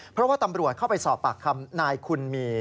เพราะว่าตำรวจเข้าไปสอบปากคำนายคุณมี